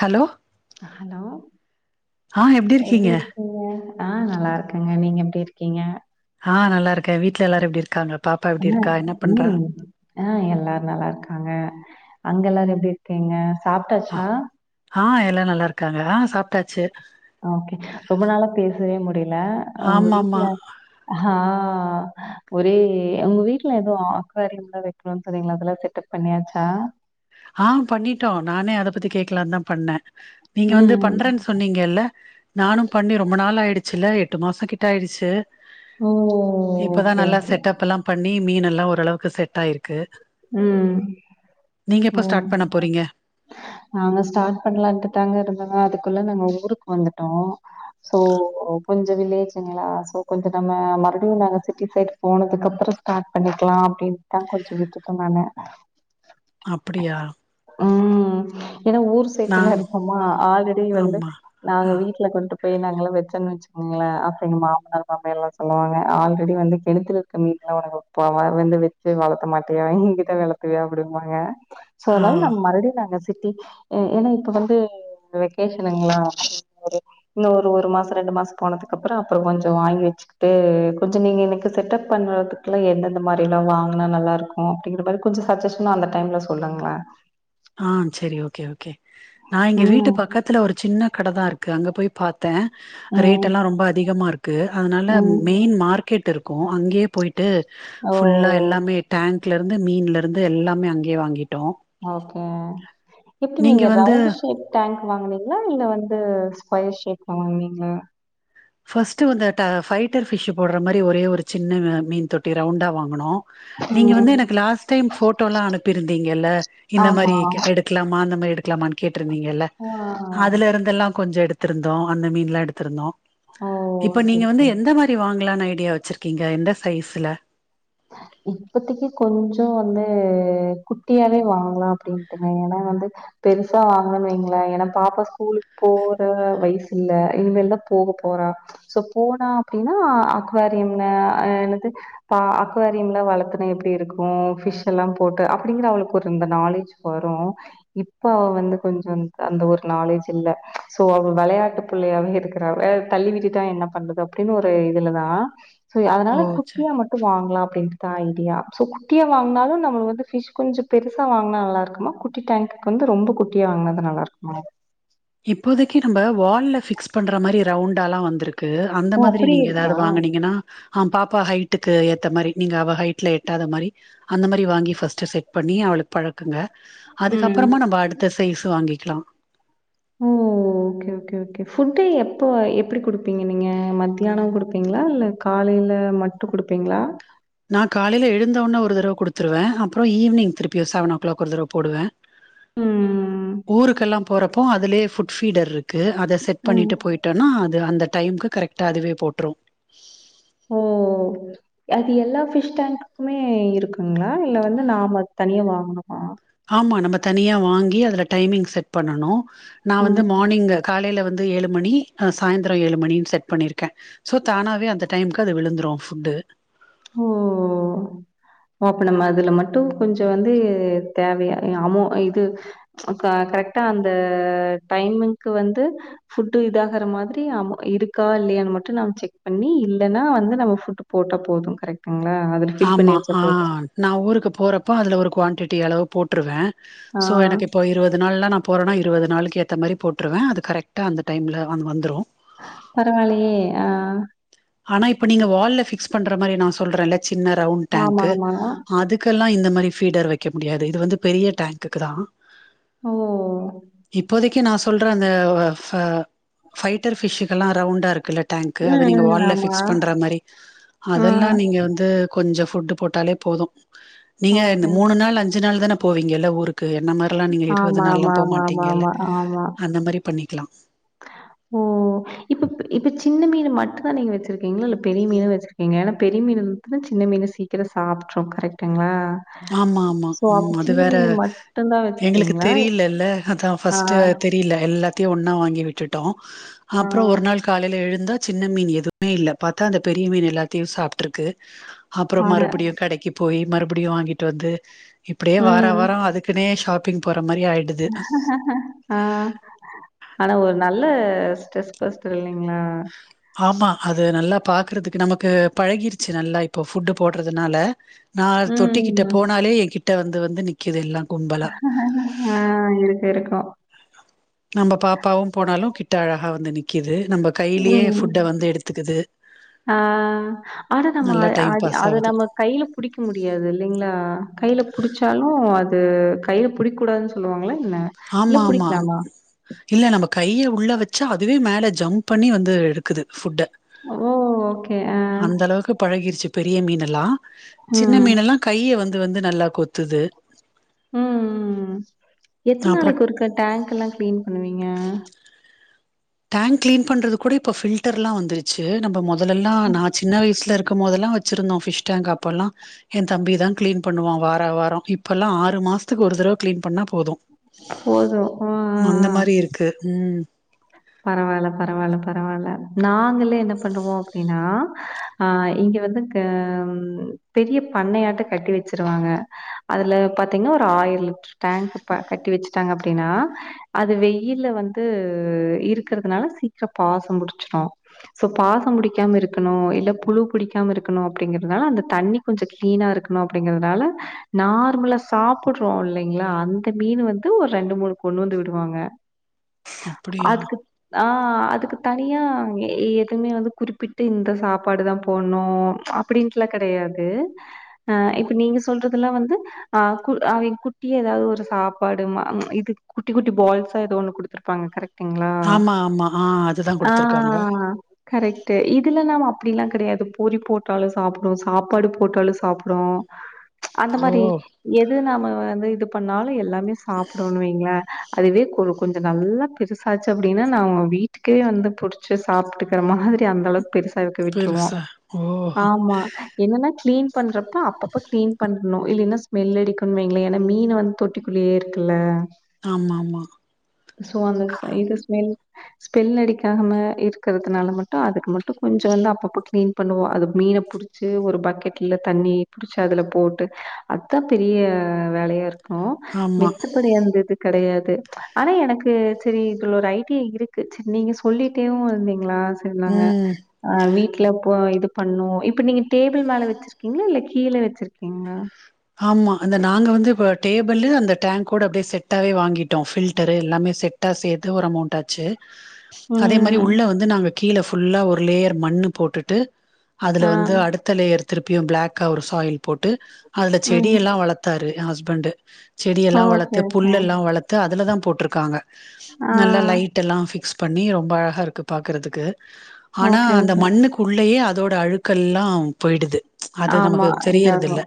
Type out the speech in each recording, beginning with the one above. Hello hello ஆ எப்டி இருக்கீங்க ஆ நல்லா இருக்கேங்க நீங்க எப்டி இருக்கீங்க ஆ நல்ல இருக்கே வீட்ல எல்லாரு எப்டி இருக்காங்க பாப்பா எப்டி அ இருக்கா என்ன பண்றா ம் ஆ எல்லாரு நல்லா இருக்காங்க அங்க எல்லாரு எப்டி இருக்கீங்க ஆ சாப்ட்டாச்சா ஆ எல்லா நல்லா இருக்காங்க ஆ சாப் ஓகே ரொம்ப நாள பேசவே முடியல உங்க ஆமாமா வீட்டுல ஹா ஒரே உங்க வீட்ல எதோ ஆக்வேரியம்லா வைக்கணும்னு சொன்னீங்களே அதெல்லா செட்டப் பண்ணியாச்சா ஆ பண்ணிட்டோ நானே அத பத்தி கேக்கலாம்னு தா பண்ணே நீங்க வந்து ம். பண்றன் சொன்னீங்கல்ல நானு பண்ணி ரொம்ப நாள் ஆயிடு சில எட்டு மாசோ கிட்ட ஆயிடுச்சு ஓ! இப்பதா ஓகே, நல்லா ஓகே. செட்டப் எல்லா பண்ணி ரிய மீன் எல்லா ஓரளவுக்கு செட் ஆயிருக்கு ம் நீங்க எப்ப ஸ்டார்ட் பண்ண ம் போறீங்க நாங்க ஸ்டார்ட் பண்ணலாடண்டுதாங்க இருந்தங்க அதுக் குள்ள நாங்க ஊருக்கு வந்துட்டோ சோ கொஞ்ச வில்லேஜுங்களா சோ கொஞ்ச நம்ம மறுபடியு நா சிட்டி சைட் போனதுக்கப்பற ஸ்டார்ட் பண்ணிக்கலா அப்படின்னுதா கொஞ்ச விட்டு என்னானு அப்டியா ஏன்னா ஊர் சைட்டுல நாங் இருக்கோமா ஆல்ரெடி வந்து ஆமா ஆ நாங்க வீட்ல கொண்ட் ய் நாங்காளாம் வச்சோன்னு வச்சுக்கோங்களே அப்ப எங்க மாமனார் மாமியார்லாம் சொல்லுவாங்க ஆல்ரெடி வந்து கிணத்துல இருக்க மீன்லா ப வந்து வச்சு வளத்த மாட் த எங்கிட்ட வளத்தியா அப்டிம்பாங்க சோ ஆ அதனால நம்ம மறுபடியு நாங்க பத்தி எ ஏன்னா இப்ப வந்து வெக்கேஷனுங்களா ஒரு இன்னு ஒரு ஒரு மாசோ ரெண்டு மாசோ போனதுக்கப்புறோ அப்புறோ கொஞ்சோ வாங்கி வச்சுக்கிட்டு கொஞ்சோ நீங்க எனக்கு செட்டப் பண்றதுக்குல்லா எந்தெந்த மாரிலா வாங்குனா நல்லாருக்கு ஆ அப்டிங்கிறமாரி கொஞ்சோ சஜ்ஜஷனா அந்த டைம்ல சொல்லுங்களே ஆ சரி ஓகே ஓகே நா இங்க வீட்டு ம். பக்கத்துல ஒரு சின்ன கட தா இருக்கு அங்க போய் பாத் தேன் ரேட் எல்லா ம். ரொம்ப அதிகமா இருக்கு அதனால ம். மெயின் மார்கெட் இருக் கு அங்கே போயிட் டு ஓ! ஃபுல்லா எல்லாமே டேங்க் ட்லருந்து மீன்லருந்து எல்லாமே அங்கே வாங்கிட் ஓகே எப்டி நீங்க ரவுண்டு ஷேப் டேங்க் வாங்குனிங்களா இல்ல வந்து ந்து ஸ்கொயர் ஷேப்ல வாங்குனிங்களா ஃபஸ்ட்டு வந்த ட ஃபைட்டர் ஃபிஷ்ஷு போடுற மாரி ஒரே ஒரு சின்ன ஆ மீன் தொட்டி ரவுண்டா வாங்குனோ நீங்க வந்து ம். எனக்கு லாஸ்ட் டைம் ஃபோட்டோலா அனுப்பிருந்தீங்கல்ல இந்த ஆமா. மாரி எடுக்கலாமா அந்த மாரி எடுக் எடுக்கலாமானு கேட் ருந்தீங்கல்ல ஆ. அதுல இருந்தெல்லா கொஞ்சோ எடுத்திருந்தோ அந்த மீன்லா எடுத்திருந்தோ ஓ! இப்ப நீங்க சரி, சரி. வந்து எந்த மாரி வாங்கலாநு ஐ டியா வச்சிருக்கீங்க எந்த சைஸ்ல இப்பத்திக்கி கொஞ்சோ வந்து குட்டியாவே வாங்கலா அப்டின்டுங்க ஏனா வந்து பெருசா வாங்குனோன்னு வைங்களே என பாப்பா ஸ்கூலுக்கு போற வயசுல்ல இனிமல்தா போக போறா சோ போனா அப்படின்னா அக்வாரியம்ன் எனது பா குவரியம்லாம் வளர்த்தன எப்டி இருக்கு பிஷ் எல்லா போட்டு அப்படிங்கிற அவளுக்கு ஒரு இந்த நாலேஜ் வரு இப்ப அவ வந்து கொஞ்ச அந்த ஒரு நாலேஜ் இல்ல சோ அவ வெளையாட்டு பிள்ளையாவே இருக்குறா வே தள்ளி விட்டுடா என்ன பண்றது அப்டின்னு ஒரு இதுலதா சோ அதனால ஓ ச குட்டியா மட்டு வாங்கலா அப்டின்ட்டு தா ஐடியா சோ குட்டியா வாங்கினாலு நம்மளுக்கு வந்து பிஷ் கொஞ்சோ பெருசா வாங்கினா நல்லா இருக்குமா குட்டி டேங்குக்கு வந்து ரொம்ப குட்டியா வாங்கினாத நல்லா இருக்குமா இப்போதைக்கு நம்ம வால்ல பிக்ஸ் பண்ற மாரி ரவுண்டால்லா வந்ருக்கு க்கு அந்த ஓ! மாதிரி அப்படி நீங்க இருக்கா? ஏதாவது வாங்குனீங்கன்னா ஆ பாப்பாக்கு ஹைட்டுக்கு ஏத்த மாரி நீங்க அவ ஹைட்டல எட்டாத மாரி அந்த மாரி வாங்கி ஃஸ்ட்டு செட் பண்ணி அவளுக்கு பழக்குங்க ம். அதுக்கப்பறமா நம்ம அடுத்த சைஸு வாங்கிக்லா ஓ ஓக்கே ஓக்கே ஓக்கே புட்டு எப்போ எப்படி குடுப்பீங்க நீங்க மத்தியானோ குடுப்பீங்களா இல்ல காலையில மட்டு குடுப்பீங்களா நா காலையில எழுந்தவோன்னே ஒரு தடவ கொடுத்துருவே அப்புரோ ஈவினிங் திருப்பியு செவனோ கிளாக் ஒரு தடவ போடுவே ம். ஊருக்கெல்லாப் போறப்போ அதுலேயே ஃபுட் ஃபீடர் இருக்கு து அத செட் ம். பண்ணிட்டு போயிட்டோனா அது அந்த டைம்க்கு கரெக்டா அதுவே போட்ரு ஓ! அது எல்லா ஃபிஷ் டேங்க்குமே இருக்குங்களா இல்ல வந்து நாம தனியா வாங்குணுமா ஆமா நம்ம தனியா வாங்கி அதுல டைமிங் செட் பண்ணனு நா வந்து ம். மார்னிங்கு காலையில வந்து ந்து ஏழு மணி அ சாய்ந்தரோ ஏழு மணின்னு செட் பண்ணிருக்கே சோ தானாவே அந்த டைமுக்கு அது விழுந்துரு ஃபுட்டு ஓ அப்ப நம்ம அதுல மட்டு கொஞ்சு வந்து தேவையா அமொ இது ம்ச் க கரெக்ட்டா அந்த டைமிங்க்கு வந்து ஃபுட்டு இதாகர மாதிரி அம இருக்கா இல்லையானு மட்டு நம்ம செக் பண்ணி இல்லேன வந்து நம்ம ஃபுட்டு போட்ட போது கரெக்ட்டு ஆமா ஆ நா ஊருக்கு போறப்போ அதுல ஒரு குவான்டி ட்டி அளவு போட்டுருவே ஆ சோ எனக்கு இப்ப இருவது நாள்ல நா போறோன்னா இருபது நாளைக்கு ஏத்த மாரி போட்டுருவே அது கரெக்டா அந்த டைமில அது வந்துரு பரவாலையே ஆ ஆனா இப்ப நீங்க வால்ல பிக்ஸ் பண்ற மாரி நா சொல்றல்ல சின்ன ரவுண்ட் ஆமா, டேங்க்கு ஆமா. அதுக்கெல்லா இந் இந்த மாரி ஃபீடர் வெக்க முடியாது இது வந்து பெரிய டேங்க்குக்கு தா ஓ க்கி நா சொல்ற அந்த ஃப ஃபைட்டர் ஃபிஷ்கெல்லா ரவுண்டா இருக்குல்ல டேங்கு அத ம், நீங்க ம். வால்ல ஆமா. பிக்ஸ் பண்ற மாரி ஆ. அதெல்லா நீங்க வந்து கொஞ்சு ஃபுட்டு போட்டாலே போது நீங்க ஓகே. இந்த மூணு நாள் அஞ்சு நாள் தான போவிங்கல்ல ஊருக் கு என்ன மாரிலா நீங்க இருபது ஆமா, நாள்லா ஆமா, ஆமா, ஆமா, போமாட்டிங்கல ஆமா, ஆமா. அந்த மாரி பண்ணிக்கலா ஓ இப்பப் இப்ப சின்ன மீனு மட்டுந்தா நீங்க வெச்சிருக்கிங்ளா இல்ல பெரிய மீனு வெச்சிருக்கிங்ளா ஏனா பெரிய மீன் இருந்ததுனா சின்ன மீன சீக்கிர சாப்ட்ரு கரெக்டுங்ளா ஆமா ஆமா ம் அது வேற மட்டும் தான் எங்களுக்கு வச்சிருக்கீங்களா? தெரியலல்ல அதா ஆ, ஃபஸ்ட்டு தெரில எல்லா த்தையு ஒன்னா வாங்கி விட்டுட்டோ ஆ, அப்ற ஒரு நாள் காலைல எழு ந்தா சின்ன மீன் எதுவுமே இல்ல பாத்தா அந்த பெரிய மீன் எல்லாத்தையு சாப்ட்ருக்கு அப்பற அட மறுபடியு கடைக்கு போய் மறுபடியு வாங்கிட் டு வந்து இப்பிடியே வாரா ம். வார அதுக்குனே ஷாப் பிங் போ ஆ ஆனா ஒரு நல்ல ஸ்ட்ரெஸ் பஸ்ட்டர் இல்லைங்ளா ஆமா அது நல்லா பாக்கறதுக்கு நமக்கு பழகிருச்சு நல்லா இப்போ ஃபுட்டு் போடறதுனால நா தொட்டிகிட்ட ம். போனாலே எ கிட் ட வந்து வந்து நிக்குது எல்லா கும்பலா ஆ இருக்கு இருக்கு நம்ப பாப் பாவு போனாலு கிட்ட அழகா வந்து நிக் கிது ம் ஆ ஆனா நம்ம அ நல்லா டைம் அத பாஸ் அத ஆவுது நம்ம கைல புடிக்க முடியாது இல்லைங்ளா கைல புடிச்சாலு அது கைல புடிக்கூடாதுன் சொல்லுவாங்களே ஆமா ஆமா இல்ல நம்ம கைய உள்ள வெச்சா அதுவே மேலே ஜம்ப் பண்ணி வந்து எடுக்குது ஃபுட்ட ஓ ஓகே ஆ அந்த அளவுக்கு பழகிருச்சு பெரிய மீனெல்லா சின்ன ம். மீனெல்லா கைய வந் து வந்து நல்லா கொத்துது ம் ம் ம் எத்தன் அப்றோ நாளைக்கு ஒருக்கா டேங்க் எல்லா கிளீன் பண்ணுவிங்க டேங்க் கிளீன் பண்றதுக் கூட இப்ப ஃபில்டர்லா வந்துருச்சு நம்ப மொத ல்லலா நா சின்ன வயசுல இருக் இருக்கபோதல்லா வச்சிருந்தோம் ஃபிஷ் டேங்க் அப்போல்லா என் தம்பி தான் கிளீன் பண்ணுவான் வார வாரம் இப்பெல்லா ஆறு மாசத் துக்கு ஒரு தடவை கிளீன் பண்ணா போதும் போதும் உ உ அந்த உ மாரி இருக்கு. ம். பரவால பரவால பரவால நாங்களே என்ன பண்ணுவோம் அப்படின்னா அஹ் இங்க வந்து ஹ பெரிய பண்ணையாட்ட கட்டி வச்சிருவாங்க அதுல பாத்தீங்கன்னா ஒரு ஆயில் டேங்க் கட்டி வச்சுட்டாங்க அப்படின்னா அது வெயில வந்து இருக்கறதுனால சீக்கிரம் பாசம் புடிச்சிடும் சோ பாசம் புடிக்காம இருக்கணும் இல்ல புழு புடிக்காம இருக்கணும் அப்படிங்கறதுனால அந்த தண்ணி கொஞ்சோ கிளீனா இருக்கணும் அப்படிங்கறதுனால நார்மலா சாப்படுறோம் இல்லைங்களா அந்த மீன் வந்து ஒரு ரெண்டு மூணு கொண்டு வந்து விடுவாங்க அப்படி அதுக்கு ஆஹ் அதுக்கு தனியா எ எதுமே வந்து குறிப்பிட்டு இந்த சாப்பாடு தான் போடணும் அப்படின்ட்டுலா கெடயாது அஹ இப்ப நீங்க சொல்றதெல்லா வந்து அஹ் குட் அவ குட்டி ஏதாவது ஒரு சாப்பாடு மா ச்சு இது குட்டி குட்டி பால்ஸா ஏதோ ஒண்ணு குடுத்துருப்பாங்க கரெக்ட் ஆமா ஆமா ஆஹ் அதுதான் குடுத்தருக்காங்க அப்படி எல்லா கெடயாது பூரி போட்டாலும் சாப்புடும் சாப்பாடு போட்டாலும் சாப்புடும் அந்த ஓ! மாரி எது நாம வந்து இது பண்ணாலும் எல்லா மே சாப்புடும்னு வைங்களே அதுவே கொ கொஞ்சோ நல்லா பெருசாச்சு அப்படின்னா நான் அவங்க வீட்டுக்கே வந்து புடிச்சு சாப்பிட்டுக்கற மாதிரி அந்த அளவுக்கு பெருசா பறக்க விட்டுருவோம் பெருசா. ஓ! ஆமா என்னன்னா கிளீன் பண்ணுறப்ப அப்பப்போ க்ளீன் பண்ணணும் இல்லைன்னும் ஸ்மெல் அடிக்கணு வங்களே ஏன்னா மீனை வந்து தொட்டிக்குள்ளயே இருக்குல ஆமா ஆமா அந்த ஸ் இது ஸ்மெல் ஸ்மெல் அடிக்காமாம இருக்கிறதுனால மட்டும் அதுக்கு மட்டும் கொஞ்சோ வந்து அப்பப்போ கிளீன் பண்ணுவோம் அது மீன புடிச்சு ஒரு பக்கெட்ல தண்ணி புடிச்சு அதுல போட்டு அதுதான் பெரிய வேலையா இருக்கு அப்போ ஆமா. மெத்தப்படி அந்தது கிடையாது த்து ஆனா எனக்கு செரி இதில் ஒரு ஐடியா இருக்கு செரி நீங்கள் சொல்லிட்டேவும் இருந்தீங்களா வச்சுருந்தாங்க ம். ஆஹ் வீட்டுல ப்ப இது பண்ணும் இப்ப நீங்க டேபிள் மேல வச்சிருக்கீங்களா இல்ல கீழே வச்சிருக்கீங்களா ஆமா அந்த நாங்க வந்து இப்ப டேபிள் அந்த டேங்க்வோட அப்படியே செட்டாவே வாங்கிட்டோம் பில்டரு எல்லாமே செட்டா சேர்த்து ஒரு அமௌண்ட் ஆச்சு அதே மாரி ம். உள்ள வந்து நாங்க கீழ ஃபுல்லா ஒரு லேயர் மண்ணு போட்டுட்டு அதுல ஆ. வந்து அடுத்த லேயர் திருப்பியும் பிளாக்கா ஒரு சாயில் போட்டு அதுல ம். செடியெல்லா வளர்த்தாரு என் ஹஸ் பண்டு செடியெல்லா ஓகே, வளர்த்து ஓகே. புல்லெல்லா வளர்த்து அதில தான் போட்டிருக்காங்க ஆ. நல்லா லைட் எல்லா பிக்ஸ் பண்ணி ரொம்ப அழகா இருக்கு பாக்கறதுக்கு ஆனா ஓகே, அந்த ஓகே. மண்ணுக்குள்ளயே அதோட அழுக்கெல்லா போயிடுது அது ஆமா. நமக்கு தெரியறதில்ல இதாகும்.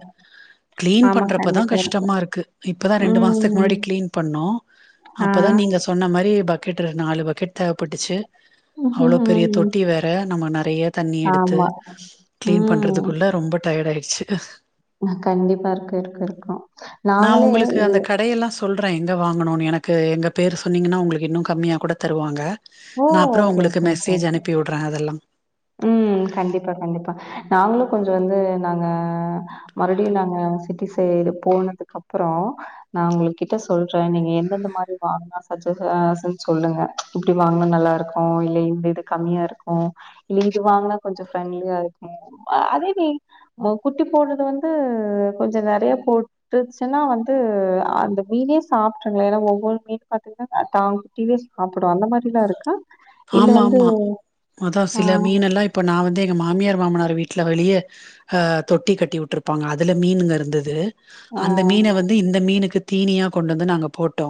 கிளீன் ஆமா, பண்றப்பதா கண்டிப்பா கஷ்டமா இருக்கும். இருக்கு இப்பதா ரெண்டு மாசத்துக்கு ம். முன்னாடி கிளீன் பண்ணோ ஆ. அப்பதா நீங்க சொன்னா மாரி பக் கட் நாலு பக்கெட் தேவப்பட்டுச்சு அவ்ளோ பெரிய ம்ஹ்ஹ்ம். தொட்டி வேற நம்ம நெறைய தண்ணி எடுத்து ஆமா. கிளீன் ம். பண்றதுக்குள்ள ரொம்ப டயர்ட் ஆயி ர்ச்சு கண்டிப்பா இருக்கு இருக்கு இருக்கு நாங்களே இது ற எங்கே வாங்கணுனு எனக்கு எங்க பேர் சொன்னிங்கனா உங்களுக்கு இன்னு கம்மியா கூட தருவாங்க ஓ! நா அப்ற ஓகே, உங்களுக்கு ஓகே, ஓகே, மெசேஜ் ஓகே. அனுப்பி உடறே அதெல்லா ம் கண்டிப்பா கண்டிப்பா நாங்களு கொஞ்ச வந்து நாங்க மறுபடியு நாங்க சிட்டி சைடு போனதுக்கு அப்ற நா உங்களுகிட்ட சொல்ற நீங்க எந்தெந்த மாரி வாங்னா சஜ அ ஸன்னு சொல்லுங்க இப்டி வாங்னா நல்லாருக்கு இல்ல இந்ந இது கம்மியா இருக்கு இங்க வாங்னா கொஞ்ச ஃப்ரெண்ட்லியா இருக்கு அதேமே குட்டி போடறது வந்து கொஞ்ச நெறையா போட்ருச்சுனா வந்து அந்த மீனே சாப்ட்ருங்ளா ஏனா ஒவ்வொரு மீன் பாத்திங்னா தா குட்டியவே சாப்புடு அந்த மாரிலா இருக்கா இல்ல ஆமா வந்து ஆமா அதா ஆ, சில மீன் எல்லா இப்ப நா வந்து எங்க மாமியார் மாமனார் வீட்ல வெளிய தொட்டி கட்டி உட்ருப்பாங்க அதுல மீனுங்க இருந்துது அந்த ஆ. மீன வந்து இந்த மீனுக்கு தீனியா கொண்டு வந்து நாங்க போட்டோ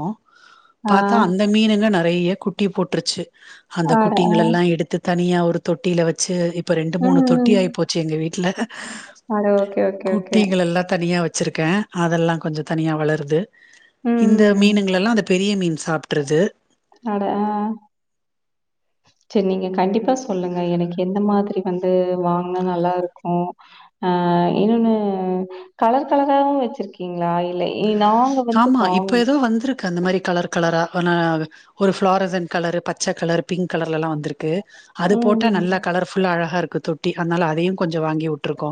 ஆ. பாத்தா அந்த மீனுங்க நறைய குட்டி போட்ருச்சு அந்த அட ஆ. குட்டிங்கல எல்லா எடுத்து தனியா ஒ ரு தொட்டில வச்சு இ இப்ப ரெண்டு ம், மூணு தொட்டி ம். ஆயி போச்சு எங்க வீட்ல அட ஓகே, ஓகே, ஓகே. குட்டிகள் எல்லா தனியா வச் வெச்சிருக்கே அதெல்லா கொஞ்ச தனியா வளருது இந்த ம். மீனுங்ளெல்லா அத பெரிய மீன் சாப்ட்றது அட அ செரி நீங்க கண்டிப்பா சொல்லுங்க எனக்கு எந்த மாதிரி வந்து வாங்னா நல்லா இருக்கு அ இன்னொனு கலர் கலராவு வெச்சிருக்கிங்ளா இல்ல இ நாங்க வந்து ஆமா இப்ப வாங்கணும். ஏதோ வந்துருக்கு அந்த மாரி கலர் கலரா ஆ ஒரு ஃபிளாரசன்ட் கலர் பச்ச கலர் பிங்க் கலர்ல எல்லா வந்துருக்கு அது போட்டா நல்லா ம். கலர்ஃபுல்லா அழகா இருக்கு [unintelligible] தொட்டி அத்னால அதயு கொஞ்சோ வாங்கி வுட்ருக்கோ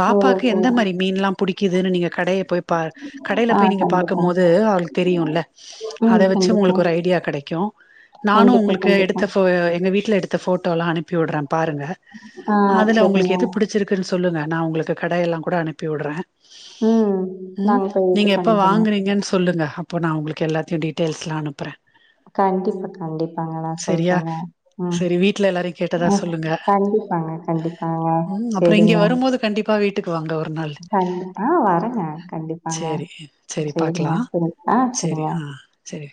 பாப்பாக்கு ஓஹோ! எந்த மாரி மீன்லா புடிக்குதுனு நீங்க கடைய போய் பார் கடைல ஆ ங்க கண்டிப்பா. பாக்கும்போது அவுளுக்கு தெரியுல ம் அத வச்சு கண்டிப்பா. உங்களுக்கு ஒரு ஐடியா கெடைக்கு நானு கண்டிப்பா, உங்களுக்கு கண்டிப்பா. எடுத்த ஃபோ எங்க வீட்ல எடுத்த ஃபோட்டோலா அனுப்பி உட்றே பாருங்க ஆ அதுல உங்களுக்கு சரிங்க. எது புடிச்சிருக்குன் சொல்லுங்க நா உங்ளுக்கு கடயெல்லா கூட அனுப்பி உடுறே ம் நாங் போய்ட்டு பண் வாங்குறீங்கன் சொல்லி சொல்லுங்க அப்போ நா உங்களுக்கு எல்லாத்யு டீடெயில்ஸ்லா அனுப்புறே கண்டிப்பா கண்டிப்பாங்க நா சரியா சொல்றங்க ம் சரி வீட்ல எல்லாரையு கேட்டதா சொல்லுங்க கண்டிப்பாங்க கண்டிப்பாங்க ம் அப்புறோ இங்க செரிங்க வரும்போது கண்டிப்பா வீட்டுக்கு வாங்க ஒரு நாள் அ வரங்க கண்டிப்பாங்க சேரி சேரி செரிங்க பாக்கலா செரி அ சேரி செரிங்க ஆ சேரி